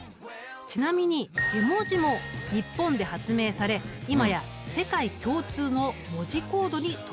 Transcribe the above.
ちなみに絵文字も日本で発明され今や世界共通の文字コードに登録されているんだ。